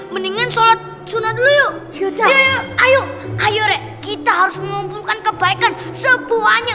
mendingan sholat sunnah dulu yuk yuk ayo ayo kita harus mengumpulkan kebaikan sebuahnya